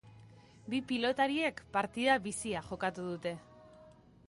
Bi pilotariek partida bizia jokatu dute.